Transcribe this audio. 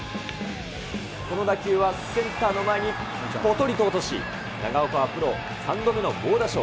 この打球はセンターの前にぽとりと落とし、長岡はプロ３度目の猛打賞。